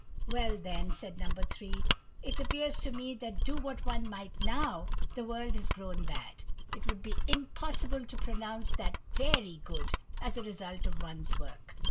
"Well, then," said No. 3, "it appears to me that do what one might now the world has grown bad, it would be impossible to pronounce that 'very good,' as the result of one's work.